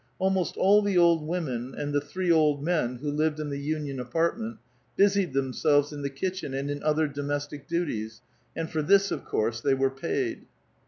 Almost all the old women, and the three old men, who lived in the union apartment, busied themselves in the kitchen and in other domestic duties, and for this, of course, they were paid.